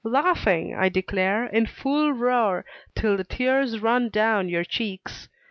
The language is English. Laughing, I declare, in full roar, till the tears run down your cheeks.